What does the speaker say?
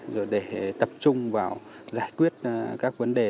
rồi để tập trung vào giải quyết các vấn đề